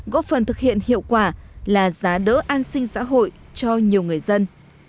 góp phần thực hiện hiệu quả là giá đỡ an sinh xã hội cho nhiều người dân